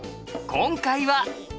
今回は？